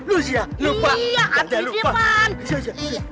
lupa gak ada lupa